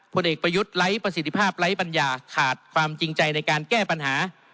ผลเอกประยุทธ์ไร้ประสิทธิภาพไร้ปัญญาขาดความจริงใจในการแก้ปัญหา